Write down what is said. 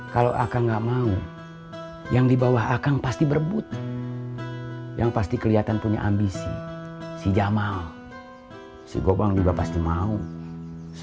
kalau kang jamal yang ngegantiin kang bahar